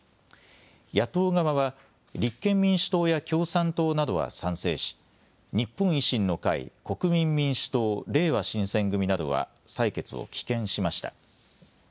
野党側は立憲民主党や共産党などは賛成し日本維新の会、国民民主党、れいわ新選組などは採決を棄権しました。